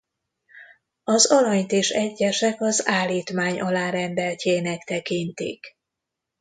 Az alanyt is egyesek az állítmány alárendeltjének tekintik.